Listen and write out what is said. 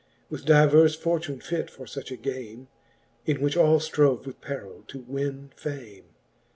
With divers fortune fit for fuch a game, In which all ftrove with perill to winne fame.